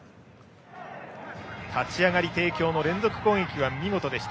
立ち上がり帝京の連続攻撃は見事でした。